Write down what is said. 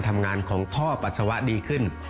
ทำงานของพ่อปัสสาวะดีขึ้น